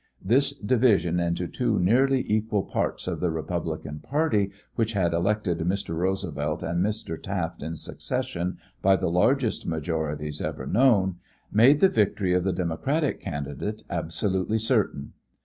This division into two nearly equal parts of the Republican Party, which had elected Mr. Roosevelt and Mr. Taft in succession by the largest majorities ever known, made the victory of the Democratic candidate absolutely certain.